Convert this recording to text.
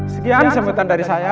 sekian semuatan dari saya